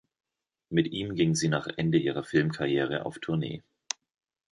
Mit ihm ging sie nach Ende ihrer Filmkarriere auf Tournee.